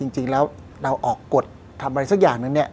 จริงแล้วเราออกกฎทำอะไรสักอย่างนึงเนี่ย